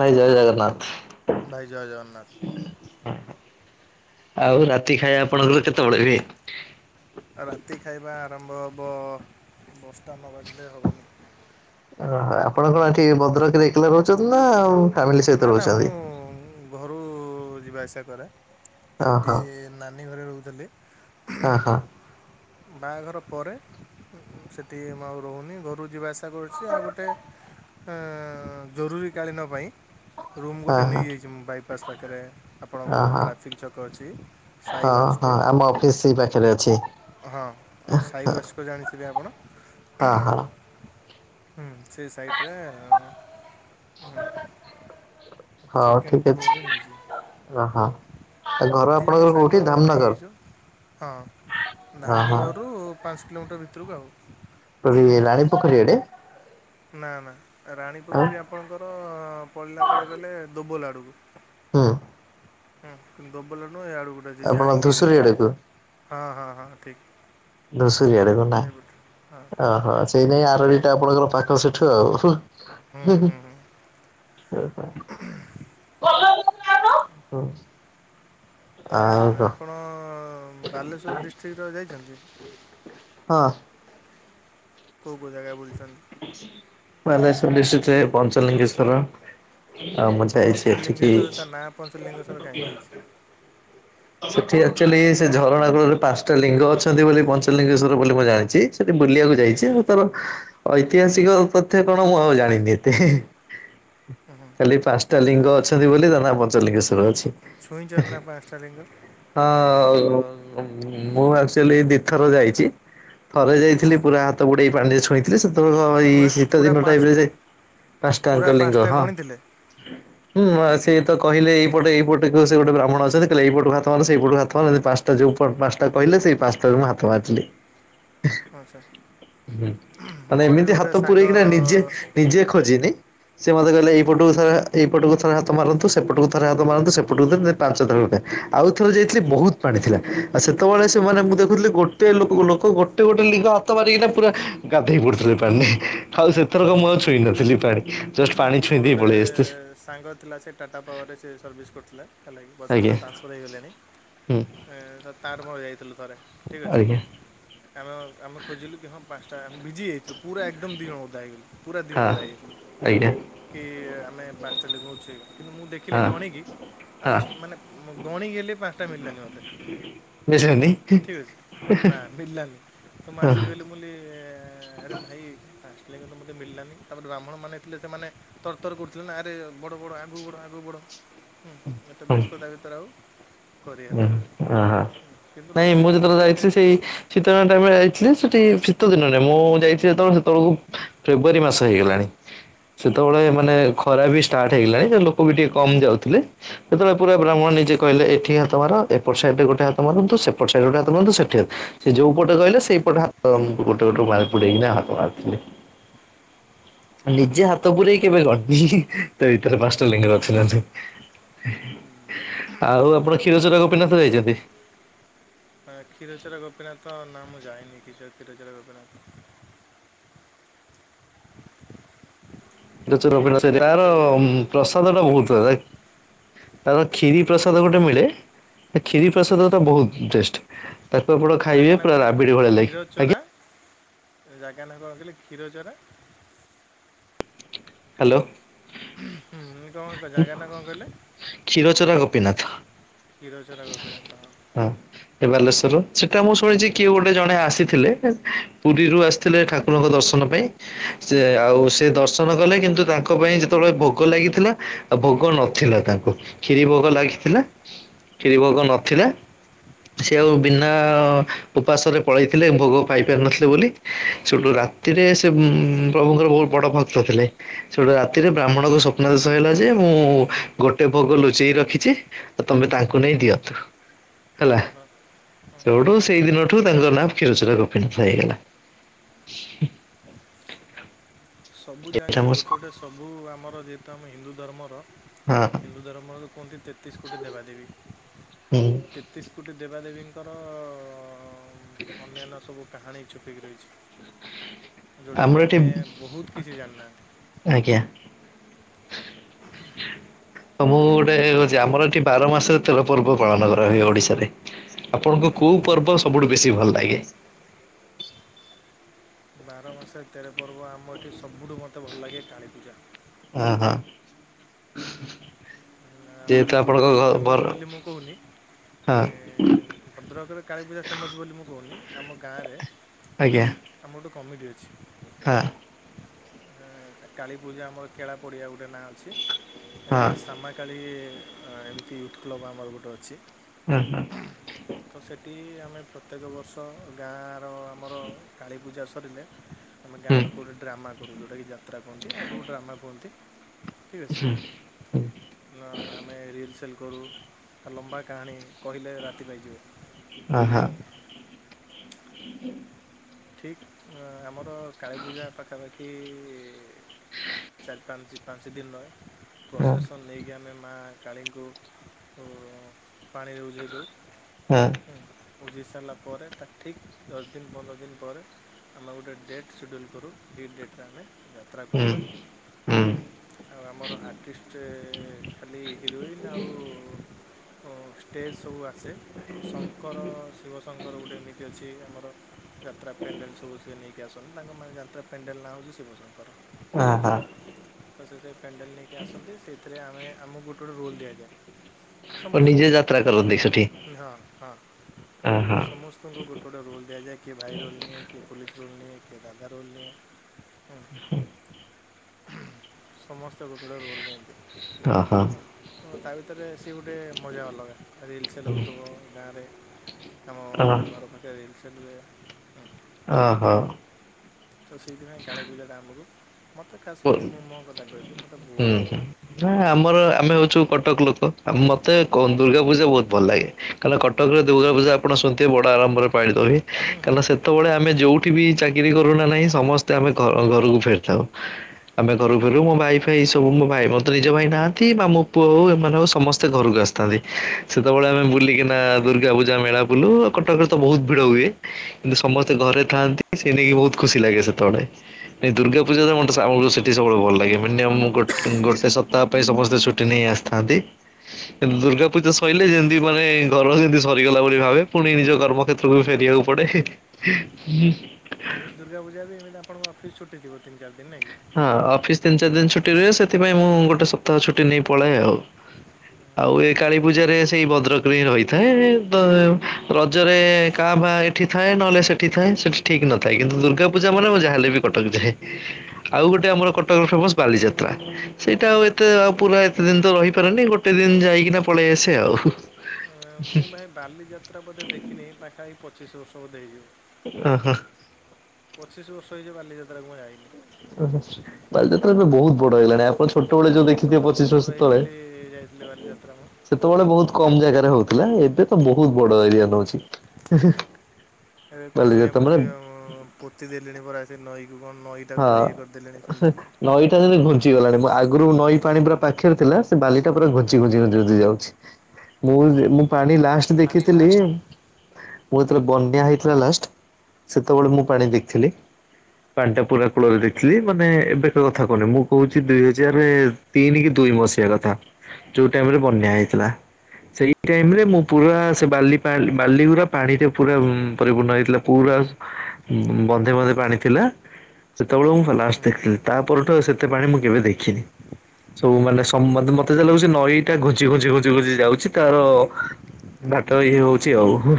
ଭାଇ ଜୟ ଜଗନ୍ନାଥ। ଭାଇ ଜୟ ଜଗନ୍ନାଥ ଓ ଆଉ ରାତି ଖାଇବା ଆପଣଙ୍କର କେତେବେଳେ ହୁଏ? ରାତି ଖାଇବା ଆରମ୍ଭ ହେବ ଦଶଟା ନ ବାଜିଲେ ହେବନି। ଓହୋ ଆପଣ କଣ ଏଠି ଭଦ୍ରକରେ ଏକଲା ରହୁଛନ୍ତି ନା ଆଉ ନା ନା ମୁଁ-ଉ-ଉ-ଉ-ଉ ଘରୁ-ଉ-ଉ-ଉ-ଉ ଯିବା ଆଇସିବା କରେ ସେଠି ଓହୋ ନାନୀ ଘରେ ରହୁଥିଲି। ହଁ ହଁ। ବାହାଘର ପରେ ସେଠି ମୁଁ ଆଉ ରହୁନି ଘରୁକୁ ଯିବା ଆସା କରୁଛି। ଆଉ ଗୋଟେ ଅ-ଅ-ଅ-ଅ ଜରୁରୀ କଳୀନ ପାଇଁ। ରୁମ୍ ଗୋଟେ ଓହୋ ନେଇଯାଇଛି ମୁଁ ବାଇପାସ୍ ପାଖରେ। ଆପଣଙ୍କର ଯେଉଁ ଓହୋ। ଟ୍ରାଫିକ୍ ଛକ ଅଛି। ସାଇ ହଁ ୱାଚକୋ ହଁ ଆମ ଅଫିସ ସେଇ ପାଖରେ ଅଛି। ହଁ ଅ ସାଇୱାସ୍କ ଜାଣିଥିବେ ଆପଣ? ହଁ ହଁ। ସେଇ ସାଇଟ୍ ରେ ହଉ ସେକେଣ୍ଡ ଠିକ୍ ଅଛି। ଫ୍ଲୋରରେ ନେଇଚି। ଓହୋ ଆଉ ଘର ଦୁଇ ଜଣ ଆପଣଙ୍କର କୋଉଠି ସାଙ୍ଗ ଧାମନଗର? ନେଇଯାଇଛୁ। ହଁ ଧାମ ଓହୋ ନଗରରୁ ପାଞ୍ଚ କିଲୋମିଟର ଭିତରକୁ ଆଉ। ଇ-ଇ-ଇ ରାଣି ପୋଖରୀ ଆଡେ? ନା ନା ଆଉ ରାଣୀପୋଖରୀ ଆପଣଙ୍କର-ଅ-ଅ-ଅ ପଡ଼ିଲା କୁଆଡ଼େ କହିଲେ ଦୋବୋଲ ଆଡ଼କୁ। ହୁଁ। ହୁଁ କିନ୍ତୁ ଦୁବୁଲ ନୁହଁ ଏଆଡୁ ଗୋଟେ ଯେ ଆପଣ ଜାହାଙ୍ଗୀର ଧୂସୁରୀ ଅଛି। ଆଡକୁ ହଁ ହଁ ହଁ ଠିକ୍। ଧୁଷୁରିୀ ଆଡକୁ ନା ସେଇପଟେ ହଁ ଓହୋ ସେଇ ନାଇ ଆରଡିଟା ଆପଣଙ୍କର ପାଖ ସେଠୁ ଆଉ। ହୁଁ ହୁଁ ହୁଁ [unintelligible] ହୁଁ। ଆଉ ଉ କ ଆପଣ-ଅ-ଅ-ଅ ବାଲେଶୂର ଡିଷ୍ଟ୍ରିକ୍ଟର ଯାଇଛନ୍ତି? ହଁ। କୋଉଁ କୋଉଁ ଜାଗା ବୁଲିଛନ୍? ବାଲେଶ୍ଵର ଡିଷ୍ଟ୍ରିକ୍ଟରେ ପଞ୍ଚଲିଙ୍ଗେଶ୍ଵର ଆଉ ପଞ୍ଚଲିଙ୍ଗେଶ୍ୱର ତା ନାଁ ପଞ୍ଚଲିଙ୍ଗେଶ୍ୱର କାହିଁକି ହେଇଛି [unintelligible] ସେଠି ଆଚୁଆଲି ସେ ଝରଣା କୂଳରେ ପାଞ୍ଚଟା ଲିଙ୍ଗ ଅଛନ୍ତି ବୋଲି ପଞ୍ଚଲିଙ୍ଗେଶ୍ଵର ବୋଲି ମୁଁ ଜାଣିଛି। ସେଠି ବୁଲିବାକୁ ଯାଇଛି ମୁଁ ତାର ଐତିହାସିକ କଥା କଣ ମୁଁ ଆଉ ଜାଣିନି ଏତେ। [unintelligible] ହୁଁ ହୁଁ ଖାଲି ପାଞ୍ଚଟା ତା ଯେଉଁ ଲିଙ୍ଗ ଅଛନ୍ତି ବୋଲି ତା ନା ପଞ୍ଚଲିଙ୍ଗେଶ୍ୱର ଅଛି। ଛୁଇଁଛନ୍ତି ନା ପାଞ୍ଚଟା ଲିଙ୍ଗ। ହଁ ମୁଁ ଆକ୍ଚୁଆଲି ଦିଥର ଯାଇଛି। ଥରେ ଯାଇଥିଲି ପୁରା ହାତ ବୁଡେଇ ପାଣିରେ ଛୁଇଁଥିଲି ସେତେବେଳେ ହ ଏଇ ପୁରା ଶୀତ ପୁରା ଦିନ ପାଞ୍ଚ ଟାଇମ୍ ରେ ଯାଇ ପୁରା ପାଞ୍ଚଟାଙ୍କ ଲିଙ୍ଗ ପାଞ୍ଚଟା ହଁ। ଗଣିଥିଲେ ହୁଁ ଆ ସିଏ ତ କହିଲେ ଏଇପଟେ ଏଇପଟକୁ ସେ ଗୋଟେ ବ୍ରାହ୍ଣଣ ଅଛନ୍ତି କହିଲେ ଏଇପଟୁ ହାତ ମାର ସେଇପଟୁ ହାତ ମାର ମାନେ ପାଞ୍ଚ ଯୋଉ ପ ପାଞ୍ଚଟା କହିଲେ ସେଇ ପାଞ୍ଚଟାରୁ ମୁଁ ହାତ ମାରିଥିଲି। ହଁ ସାର୍ ମାନେ ମୋର ବି ଏମିତି ଗୋଟେ ହାତ ସାଙ୍ଗ ପୂରେଇକିନା ନିଜେ ନିଜେ ଖୋଜିନି। ସେ ମତେ କହିଲେ ଏଇପଟକୁ ଥରେ ଏପଟକୁ ଥରେ ହାତ ମାରନ୍ତୁ ସେପଟକୁ ଥରେ ହାତ ମାରନ୍ତୁ ସେପଟକୁ ଥ ଯ ପାଞ୍ଚଥରଟା ଆଉ ଥର ଯାଇଥିଲି ବହୁତ ପାଣି ଥିଲା ଆଉ ସେତେବେଳେ ସେମାନେ ମୁଁ ଦେଖୁଥିଲି ଗୋ ଟେ ଲୋକ ଲୋକ ଗୋଟେ ଗୋଟେ ଲିଙ୍ଗ ହାତ ମାରିକିନା ପୁରା ଗାଧେଇ ପଡୁଥିଲେ। ପାଣିରେ ଆଉ ସେଥରକ ମୁ ଆଉଛୁଇଁ ନଥିଲି ପାଣି। ଜଷ୍ଟ ପାଣି ଛୁଇଁ ମୋର ଦେଇ ଗୋଟେ ପଳେଇ ଆସିଥିଲି ସାଙ୍ଗ ଥିଲା ସେ ଟାଟା ପାୱାରରେ ସେ ସର୍ଭିସ୍ କରୁଥିଲା ହେଲା କି ବର୍ତ୍ତମାନ ଆଜ୍ଞା ତାର ଟ୍ରାନ୍ସଫର୍ ହୋଇଗଲାଣି। ହୁଁ ସେ ତାର ମର ଯାଇଥିଲୁ ଥରେ ଠିକ୍ ଅଛି। ଆଜ୍ଞା। ଆମେ ଆମେ ଖୋଜିଲୁ କି ହଁ ପାଞ୍ଚଟା ଆମେ ବିଜି ଯାଇଥିଲୁ ପୁରା ଏକଦମ ଦିଜଣ ଓଦା ହେଇଗଲୁ ପୁରା ଦିଜଣ ଓଦା ହେଇଯାଇଥିଲୁ। ଆଜ୍ଞା। କି ଆମେ ପାଞ୍ଚଟା ଲିଙ୍ଗକୁ ଛୁଇବା କିନ୍ତୁ ମୁଁ ଦେଖିଲି ଗଣିକି ଆ ଛୁ ମାନେ ଗଣିକି ହେଲେ ପାଞ୍ଚଟା ମିଳିଲାନି ମତେ ଠିକ ଅଛି। ନା ମିଳିଲାନି ତ ମୁଁ ଆସି କହିଲୁ ମୁଁ କଲି ଆରେ ଭାଇ ପାଁସଟା ଲିଙ୍ଗ ତ ମତେ ମିଳିଲାନି ତାପରେ ବ୍ରାହ୍ମଣ ମାନେ ଥିଲେ ସେମାନେ ତରତର କରୁଥିଲେ ନା ଆରେ ବଡ଼ ବଡ଼ ଆଗୁ ବଡ଼ ଆଗକୁ ବଡ଼। ହୁଁ ଏତେ ବ୍ୟସ୍ତ ତା ଭିତରେ ଆଉ ଓ କରିହେଲାନି ଅହ କିନ୍ତୁ ନାଇଁ ଲୋକେ ମୁଁ ଯେତେବେଳେ କୁହନ୍ତି ଯେ ଯାଇଥିଲି ହେଠି ସେଇ ଶୀତ ଦିନ ଟାଇମରେ ଯାଇଥିଲୁ ସେଠି ଶୀତ ଦିନରେ ମୁଁ ଯାଇଥିଲି ଯେତେବେଳେ ସେତେବେଳକୁ ଫେବୃଆରୀ ମାସ ହେଇଗଲାଣି ସେତେବେଳେ ମାନେ ଖରା ବି ଷ୍ଟାର୍ଟ ହେଇଗଲାଣି କିନ୍ତୁ? ଲୋକ ବି ଟିକେ କମ ଯାଉଥିଲେ ଯେତେବେଳେ ପୁରା ବ୍ରାହ୍ମଣ ନିଜେ କହିଲେ ଏଠି ହା ତ ମାର ଏପଟ ସାଇଟ ରେ ଗୋଟେ ହାତ ମାରନ୍ତୁ ସେପଟ ସାଇଟ ଗୋଟ ହାତ ମାରନ୍ତୁ ସେଠି ସେ ଯୋଉ ପଟେ କହିଲେ ସେଇପଟେ ହାତ ତକୁ ଗୋଟେ ଗୋଟେ ମାରି ପୁରେଇକିନା ହାତ ମାରିଥିଲି। ନିଜେ ହାତ ପୁରେଇ କେବେ ଗଣିନି ତ ଏଥରେ ପାଞ୍ଚଟା ଲିଙ୍ଗ ଅଛି ନା ନାଇଁ। ଆଉ ସେ ଆପଣ କ୍ଷୀର ବ୍ରାହ୍ମଣ ଚୋରା ଗୋପିନାଥ ଯାଇଚନ୍ତି। ଅ କ୍ଷୀରଚରା ଗୋପୀନାଥ ନାଁ ମୁଁ ଯାଇନି କେବେ କ୍ଷୀର ଚରା ଗୋପୀନାଥ। [unintelligible] ପ୍ରସାଦ ଟା କହୁନାହାନ୍ତି ତା ବହୁତ ବିଷୟରେ କିଛି କୁହନ୍ତୁ ଭଲ ଲାଗେ ତାର କ୍ଷିରି ପ୍ରସାଦ ଗୋଟେ ମିଳେ। ସେ କ୍ଷୀରି ପ୍ରସାଦ ଆଚ୍ଛା ତ ବହୁତ ଟେଷ୍ଟ ତାକୁ ଆପଣ ଖାଇବେ ପୁରା ରାବିଡ଼ି ଭଳିଆ ଲାଗି ଚରା ଜାଗା ନା କଣ କହିଲେ କ୍ଷୀରଚରା ହ୍ୟାଲୋ। ହୁଁ କଣ କ ଜାଗା ନା କଣ କହିଲେ। କ୍ଷୀରଚୋରା ଗୋପୀନାଥ। ଖିରଚରା ଗୋପିନାଥ ହଁ। ହଁ। ଏ ବାଲେଶ୍ଵର ସେଟା ମୁଁ ଶୁଣିଛି କିଏ ଗୋଟେ ଜଣେ ଆସିଥିଲେ ପୁରୀରୁ ଆସିଥିଲେ ଠାକୁରଙ୍କ ଦର୍ଶନ ପାଇଁ। ସେ ଆଚ୍ଛା ଆଉ ସେ ଦର୍ଶ ନ କଲେ କିନ୍ତୁ ତାଙ୍କ ପାଇଁ ଯେତେବେଳେ ଭୋଗ ଲାଗିଥିଲା ଆଉ ଭୋଗ ନଥିଲା ତା କ୍ଷିରି ଭୋଗ ହଁ ଲାଗିଥିଲା କ୍ଷିରି ହଁ ଭୋଗ ହଁ ନଥିଲା। ସେ ଆଉ ବିନା ଓପାସରେ ପଳେଇଥିଲେ ଭୋଗ ପାଇପାରିନଥିଲେ ବୋଲି। ସେଠୁ ରାତିରେ ସେ ପ୍ରଭୁଙ୍କର ବହୁତ ବଡ ଭକ୍ତ ଥିଲେ। ସେଉଠୁ ହଁ ହଁ ହଁ ରାତିରେ ବ୍ରାହ୍ମଣଙ୍କୁ ସ୍ୱ ନାଦେଶ ହେଲା ଯେ ମୁଁ ଗୋଟେ ଭୋଗ ଲୁଚେଇକି ରଖିଛି ତ ତମେ ତାଙ୍କୁ ନେଇ ଦିଅ। ହେଲା। ହଁ ହଁ। ହଁ। ସେଉଠୁ ସେଇ ଦିନଠୁ ତାଙ୍କ ନାଁ କ୍ଷୀରଚରା ଗୋପୀନାଥ ହେଇଗଲା। ସବୁ ଏଇଟା ଜାଗାରେ ମୋ ଗୋଟେ ଗୋଟେ ସବୁ ଆମର ଯେହେତୁ ଆମେ ହିନ୍ଦୁ ଧର୍ମର ହଁ। ହିନ୍ଦୁ ଧର୍ମରୁ କୁହନ୍ତି ତେତିଶି କୋଟି ଦେବାଦେବୀ। ହୁଁ ତେତିଶି କୋଟି ଦେବାଦେବୀଙ୍କର ଅନ୍ୟାନ୍ୟ ସବୁ କାହାଣୀ ଚୁପିକି ରହିଚି। ଯୋଉ ଟାକି ଆମର ଏଠି ଆମେ ବହୁତ କିଛି ଜାଣିନାହାନ୍ତି। ଆଜ୍ଞା। ତ ମୁଁ ଗୋଟେ କଉଚି ଆମର ଏଠି ବାର ମାସ ତେର ପର୍ବ ପାଳନ କରା ହୁଏ ଓଡିଶାରେ। ଆପଣଙ୍କୁ ହୁଁ କୋଉ ହୁଁ ପର୍ବ ନିଶ୍ଚିତ ସବୁଠୁ ବେଶୀ ଭଲ ଲାଗେ? ବାର ମାସରେ ତେର ପର୍ବ ଆମ ଏଠେ ସବୁଠୁ ମୋତେ ଭଲ ଲାଗେ କାଳୀପୂଜା। ଓ ହୋ। ଆ-ମାନେ ଭଦ୍ରକରେ ଫେମସ୍ ବୋଲି ମୁଁ କହୁନି ହଁ ଏଁ ଭଦ୍ରକରେ କାଳୀପୂଜା ଫେମସ୍ ବୋଲି ମୁଁ କହୁନି ଆମ ଗାଁରେ ଆଜ୍ଞା। ଆମ ଗୋଟେ କମିଟି ଅଛି। ହାଁ। ଏଁ-କା-କାଳୀପୂଜା ଆମର କେଳା ପଡ଼ିଆ ଗୋଟେ ନାଁ ଅଛି ହଁ ଏମା- ସାମା କାଳି ଅ- ଏମିତି ୟୁଥ୍ କ୍ଲବ୍ ଆମର ଗୋଟେ ଅଛି ହୁଁ -ହୁଁ। ତ ସେଠି ଆମେ ପ୍ରତ୍ୟେକ ବର୍ଷ ଗାଁର ଆମର କାଳୀପୂଜା ସରିଲେ ଆମ ଗାଁ ହୁଁ ଲୋକ ଗୋଟେ ଡ୍ରାମା କରୁ ଯଉଟାକି ଯାତ୍ରା କୁହନ୍ତି ଆଗକୁ ଡ୍ରାମା କୁହନ୍ତି ଠିକ୍ ଅଛି। ନା ଆମେ ରିଲ୍ ସେଲ୍ କରୁ ଲମ୍ବା କାହାଣୀ କହିଲେ ରାତି ପାଇଯିବ। ହୁଁ। ହଁ-ହଁ। ହୁଁ [unintelligible] ଠିକ୍ ଆ-ଆମର କାଳୀପୂଜା ପାଖାପାଖି ଖି- ଚାରି ପାଞ୍ଚ୍ -ପାଞ୍ଚ୍ ଦିନ୍ ରହେ। ହଁ ହଁ ହୁଁ ପ୍ରସେସନ୍ ନେଇକି ଆମେ ମା କାଳୀଙ୍କୁ କୁ-ପାଣିରେ ଉଝେଇ ଦଉ। ହାଁ। ହଁ ବୁଝି ସାରିଲା ପରେ ତା ଠିକ୍ ଦଶ୍ ଦିନ୍ ପନ୍ଦର ଦିନ୍ ପରେ ଆମେ ଗୋଟେ ଡେଟ୍ ସିଡ୍ୟୁଲ୍ କରୁ ସେଇ ଡେଟ୍ ରେ ଆମେ ଯାତ୍ରା କରିବା ହୁଁ ଆଉ ଆମର ଆର୍ଟିଷ୍ଟେ ଖାଲି ହିରୋଇନ୍ ଆଉ ଅ ଷ୍ଟେଜ୍ ସବୁ ଆସେ ଶଙ୍କର ଶିବଶଙ୍କର ଗୋଟେ ଏମିତି ଅଛି ଆମର ଯାତ୍ରା ପେଣ୍ଡେଲ୍ ସବୁ ସେ ନେଇକି ଆସନ୍ତି ତାଙ୍କ- ମାନେ ଯାତ୍ରା ପେଣ୍ଡେଲ୍ ନାଁ ହଉଚି ଶିବ ଶଙ୍କର ହଁ ଠିକ୍ ଅଛି। ହଁ ତ ସେଥିପାଇଁ ପେଣ୍ଡେଲ୍ ନେଇ କି ଆସନ୍ତି ସେଇଥିରେ ଆମେ -ଆମକୁ ଗୋଟେ ଗୋଟେ ରୋଲ୍ ଦିଆଯାଏ ଓ ନିଜେ ସମସ୍ତଙ୍କୁ। ଯାତ୍ରା କରନ୍ତି ହୁଁ- ହଁ -ହଁ। ଉଁ -ହଁ। ସମସ୍ତଙ୍କୁ ଗୋଟେ ଗୋଟେ ରୋଲ୍ ଦିଆଯାଏ କିଏ ଭାଇ ରୋଲ୍ ନିଏ କିଏ ପୋଲିସ୍ ରୋଲ୍ ନିଏ କିଏ ଦାଦା ରୋଲ୍ ନିଏ ହୁଁ ହଁ। ସମସ୍ତେ ଗୋଟେ ଗୋଟେ ରୋଲ୍ ନିଅନ୍ତି। ଅ-ହ। ହୁଁ, ତ ତା ଭିତରେ ସିଏ ଗୋଟେ ମଜା ଅଲଗା ରିଲ୍ ସେଲ୍ ହଉଥିବ ଗାଁରେ ଆମ ଅହ -ଆମ ଘର ପାଖେରେ ରିଲ୍ ସେଲ୍ ହୁଏ ଓହୋ। ତ ସେଇଥିପାଇଁ କାଳୀପୂଜା ଟା ଆମକୁ ମତେ ଖାସ୍ କରି ମୁଁ ମୋ କଥା କହିବି ମତେ ବହୁତ୍ ଭଲ୍ ଲାଗେ। ଯାହା ଆମର- ଆମେ ହଉଚୁ କଟକ୍ ଲୋକ ଆ- ମତେ କନ୍ତ୍ ଦୁର୍ଗାପୂଜା ବହୁତ୍ ଭଲ୍ ଲାଗେ କାରଣ କଟକ୍ ର ଦୁର୍ଗାପୂଜା ଆପଣ ଶୁଣିଥିବେ ବଡ଼ ଆଡମ୍ବରେ ପାଳିତ ହୁଏ। ହୁଁ କାରଣ ହୁଁ ହୁଁ ହୁଁ ସେତେବେଳେ ଆମେ ଯଉଠି ବି ଚାକିରି କରୁନା ନାହିଁ ସମସ୍ତେ ଆମେ ଘ-ଘରୁକୁ ଫେରିଥାଉ। ହ। ଆମେ ଘରୁକୁ ଫେରୁୁ ମୋ ଭାଇ ଫାଇ ଏଇ ସବୁ ମୋ ଭାଇ ମୋ ତ ନିଜ ଭାଇ ନାହାନ୍ତି ମାମୁଁ ପୁଅ ହଉ ଏମାନେ ହଉ ସମସ୍ତେ ଘରକୁ ଆସ୍ ଥାନ୍ତି। ସେତେବେଳେ ଆମେ ଆଜ୍ଞା ବୁଲିକିନା ଦୁର୍ଗା ପୂଜା ମେଳା ବୁଲୁ କଟକ୍ ରେ ତ ବହୁତ୍ ଭିଡ ହୁଏ କିନ୍ତୁ ସମସ୍ତେ ଘରେ ଥାଆନ୍ତି ସେ ନେଇକି ବହୁତ୍ ଖୁସି ଲାଗେ ସେତେବଳେ ତେ- ଦୁର୍ଗା ପୂଜା ମନ୍ ସାଉଣ୍ଡ୍ ସେଠି ସବୁବେଳେ ଭଲ୍ ଲାଗେ ମିନିଅମ୍ ଗୋ- ‌ଗୋଟେ ସପ୍ତାହ ପାଇଁ ସମସ୍ତେ ଛୁଟି ନେଇ ଆସିଥାନ୍ତି ତେଣୁ ଦୁର୍ଗା ପୂଜା ସଇଲେ ଯେମିତି ମାନେ ଘର ଯେମିତି ସରିଗଲା ବୋଲି ଭାବେ ପୁଣି ନିଜ କର୍ମ କ୍ଷେତ୍ ତ୍ର କୁ ଫେରିବାକୁ ପଡେ। ହେଲେ ଦୁର୍ଗାପୂଜା ଏଵେ ଏମିତି ଆପଣଙ୍କ ଅଫିସ୍ ଛୁଟି ଥିବ ତିନି ଚାର୍ ଦିନ୍ ନାଁଇ କି? ହଁ ଅଫିସ ତିନି ଚାରି ଦିନ ଛୁଟି ରୁହେ, ସେଥିପାଇଁ ମୁଁ ଗୋଟେ ସପ୍ତାହ ଛୁଟି ନେଇ ପଳାଏ ଆଉ। ହୁଁ, ଆଉ ଏ ବଢ଼ିଆ ହେବ କାଳି ପୂଜାରେ ସେଇ ଭଦ୍ର ରହିଥାଏ, ରଜରେ କାଆଁ ଭାଆଁ ଏଠି ଥାଏ ନହେଲେ ସେଠି ଥାଏ। ସେଠି ଠିକ୍ ନଥାଏ, କିନ୍ତୁ ଦୁର୍ଗା ପୂଜା ମାନେ ମୁଁ ଯାହାଲେ ବି କଟକ ଯାଏ। ଆଉ ଗୋଟେ ଆମର କଟକର ଫେମସ ବାଲିଯାତ୍ରା। ସେଇଟା ଆଉ ଏତେ ଆଉ ବାଲିଯାତ୍ରା ପୁରା ଏତେ ଦିନ ତ ରହିପାରେନି, ଗୋଟେ ଦିନ ଯାଇକିନା ପଳେଇ ଆସେ ଆଉ। ଏ, ମୁଁ ଭାଇ ବାଲିଯାତ୍ରା ବୋଧେ ଦେଖିନେଇ, ପାଖାପାଖି ପଚିଶ ବର୍ଷ ବୋଧେ ହେଇଯିବ। ଓ ହୋ। ପଚିଶ ବର୍ଷ ହେଇଯିବ ବାଲିଯାତ୍ରାକୁ ମୁଁ ଯାଇନି। ଉଁ- ହୁଁ ବାଲିଯାତ୍ରା ଏବେ ବହୁତ ବଡ ହେଇଗଲାଣି। [unintelligible] ଛୋଟବେଳେ ଯୋଉ ଦଶ ଦେଖିଥିବେ ବାର ପଚିଶ ବର୍ଷ ତଳେ। ହେଇଥିଲି ଯାଇଥିଲି ବାଲିଯାତ୍ରା ମୁଁ ସେତେବେଳେ ବହୁତ କମ୍ ଜାଗାରେ ହଉଥିଲା, ଏବେ ତ ବହୁତ ବଡ ଏରିଆ ନଉଛି। ଏବେ କଣ ବାଲିଯାତ୍ରା ଶୁଣିବାକୁ ମାନେ ପାଉଛି, ପୋତି ଦେଲିଣି ପରା ସେ ନଈକୁ। କଣ ନଈ କୁୁ ହଁ। ପୁରା ଇଏ କରିଦେଲିଣି ଶୁଣିଥିଲି। [unintelligible] ହୁଁ ଘୁଞ୍ଚି ଗଲାଣିଁ ଆଗରୁ ନଈ ପାଣି ପୁରା ପାଖରେ ଥିଲା, ସେ ବାଲିଟା ପୁରା ହୁଁ ଘୁଞ୍ଚି ହୁଁ ଘୁଞ୍ଚି ଘୁଞ୍ଚି ଯାଉଛି। ମୁଁ ହୁଁ -ମୁଁ ପାଣି ଲାଷ୍ଟ ଦେଖିଥିଲି, ମୋ ଯେତେବେଳେ ବନ୍ୟା ହେଇଥିଲା ଲାଷ୍ଟ। ସେତେବେଳେ ମୁଁ ପାଣି ଦେଖିଥିଲି, ପାଣି ଟା ପୁରା ହୁଁ କୂଳରେ ଦେଖ ଥିଲି ମାନେ ଏବେକା କଥା କହୁନି, ମୁଁ କହୁଛି ଦୁଇ ହଜାର ତିନି କି ଦୁଇ ମସିହା କଥା। ଯୋଉ ଟାଇମ୍ ରେ ହୁଁ ବନ୍ୟା ହେଇଥିଲା। ସେଇ ଟାଇମ୍ ରେ, ହୁଁ ମୁଁ ପୁରା ସେ ବାଲି ବାଲିଗୁରା ପାଣିରେ ପୁରା ପରିପୂର୍ଣ୍ଣ ହେଇଥିଲା। ପୁରା ବନ୍ଧେ ବନ୍ଧେ ପାଣି ଥିଲା। ସେତେବେଳେ ମୁଁ ହୁଁ ଲାଷ୍ଟ ହୁଁ ଦେଖିଥିଲି, ତା ପରଠୁ ସେତେ ପାଣି ମୁଁ କେବେ ଦେଖିନି। ସବୁ ମାନେ ମତେ ଯାହା ଲାଗୁଛି ନଈଟା ଘୁଞ୍ଚି ଘୁଞ୍ଚି ଘୁଞ୍ଚି ଘୁଞ୍ଚି ଯାଉଛି। ତାର ଘାଟ ଇଏ ହଉଛି ଆଉ।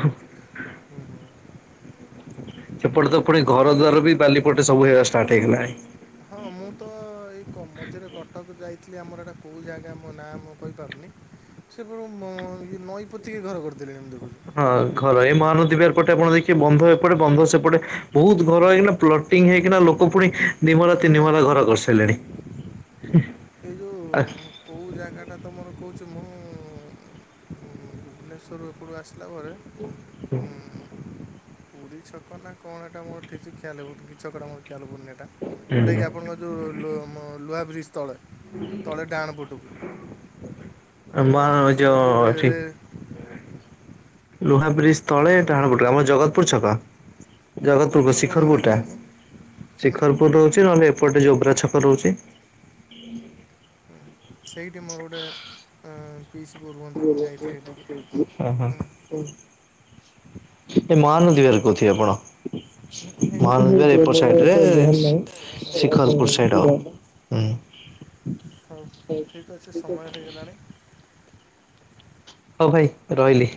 ହୁଁ। ସେପଟେ ତ ପୁଣି ଘର ଦ୍ୱାର ବି ବାଲିଯାତ୍ରା ବାଲିପଟେ ସବୁ ହେଇବା ଷ୍ଟାର୍ଟ ହେଇଗଲାଣି। ହଁ- ମୁଁ ତ ଏଇ ମଝିରେ କଟକ ଯାଇଥିଲି, ଆମର ଏଇଟା କୋଉ ଜାଗା ମୋ ନା ମୁଁ କହିପାରୁନି ସେପ ଇଏ ନଈପୋତିକି ଘର କରିଦେଲେଣି। [unintelligible] ହଁ ଘର ଏଇ ମହାନଦୀ ବିହାର ପଟେ ଆପଣ ଦେଖିବେ, ବନ୍ଧ ଏପଟେ ବନ୍ଧ ସେପଟେ ବହୁତ ଘର ହେଇକିନା ପ୍ଲଟ ପ୍ଲଟିଂ ହେଇକିନା ଲୋକ ପୁଣି ଦି ମହଲା ତିନି ହଁ। ମହଲା ଘର କରିସାରିଲେଣି। ଏ ଯୋଉ କୋଉ ଜାଗାଟା ତମର କହୁଛି ମୁଁ, ଭୁବନେଶ୍ୱର [unintelligible] ଆସିଲା ପରେ ଉଁ ପୁରୀ ଛକ ନା କଣ ଏଇଟା ମୋର ଠିକ୍ ସେ ଖେୟାଲ୍ ପଡୁନି। କି ଛକଟା ମୋର ଖ୍ୟାଲ ପଡୁନି ଏଇଟା, ଯୋଉଟାକି ଆପଣଙ୍କ ଯୋଉ [unintelligible] ଲୁହା ବ୍ରିଜ। ତଳେ, ତଳେ ଡାହାଣ ପଟକୁ। ଏ ଯୋଉ ରେ ରେ ଲୁହାବ୍ରିଜ କେଉଁ ତଳେ ଛକ ଡ଼ାହାଣ ପଟରେ, ଆମ ଜଗତପୁର ଛକ। କେଉଁ ଜଗତପୁର ଛକ ମୁଁ ଏଇଟା ଶିଖରପୁରଟା। ଜାଣିନି ଶିଖରପୁର ରହୁଛି, ନହେଲେ ଏପଟେ ଯୋବ୍ରା ଛକ ରହୁଛି। ସେଇଠି ମୋର ଗୋଟେ ପିଇସି ପୁଅ ରୁହନ୍ତି, ମୁଁ ଯାଇଥିଲି ସେଠିକି। ହଁ - ହଁ ଏ ମହାନଦୀ ବିହାର କହୁଥିବେ ଆପଣ। ହେଇଥିବ ମୋର ମହାନଦୀର ଆଉ ଏପଟ ଏତେ ଧ୍ୟାନ ସାଇଡରେ ନାହିଁ ଶିଖରପୁର କେଉଁଟା ଏଇଟା ସାଇଡ [unintelligible] ହଉ ଠିକ୍ ଅଛି ସମୟ ହେଇଗଲାଣି। ହଉ ଭାଇ ରହିଲି।